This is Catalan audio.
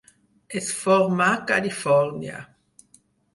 Es formà Califòrnia.